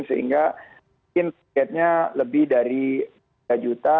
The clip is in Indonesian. sehingga mungkin targetnya lebih dari tiga juta